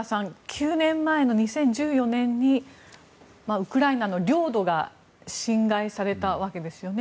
９年前の２０１４年にウクライナの領土が侵害されたわけですよね